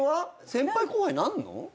先輩後輩なんの？